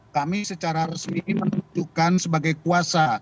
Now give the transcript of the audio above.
kami secara resmi menunjukkan sebagai kuasa